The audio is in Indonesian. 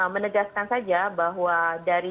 menegaskan saja bahwa dari